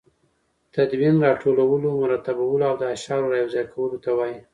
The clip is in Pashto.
تدوین راټولو، مرتبولو او د اشعارو رايو ځاى کولو ته وايي.